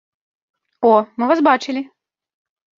О, мы вас бачылі!